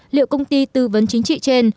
liệu công ty tư vấn chính trị trên